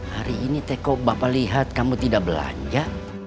hari ini te kok bapak lihat kamu tidak belanja